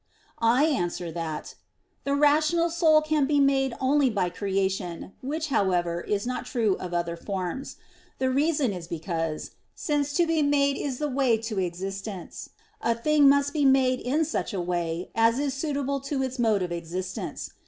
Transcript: I answer that, The rational soul can be made only by creation; which, however, is not true of other forms. The reason is because, since to be made is the way to existence, a thing must be made in such a way as is suitable to its mode of existence.